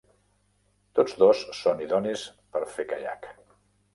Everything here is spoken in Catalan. Tots dos són idonis per fer caiac.